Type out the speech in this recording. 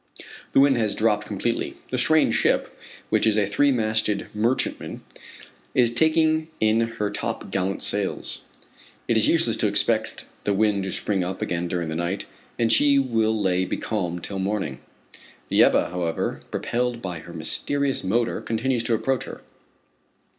The wind has dropped completely. The strange ship, which is a three masted merchantman, is taking in her top gallant sails. It is useless to expect the wind to spring up again during the night, and she will lay becalmed till morning. The Ebba, however, propelled by her mysterious motor, continues to approach her.